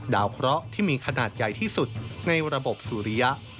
เคราะห์ที่มีขนาดใหญ่ที่สุดในระบบสุริยะ